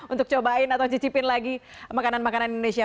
untuk cobain atau cicipin lagi makanan makanan indonesia